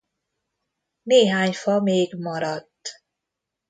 Néhány fa még maradt.